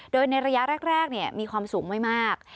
โดยในระยะแรกมีความสูงไม่มาก